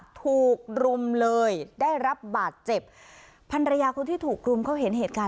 ถูกรุมเลยได้รับบาดเจ็บพันรยาคนที่ถูกรุมเขาเห็นเหตุการณ์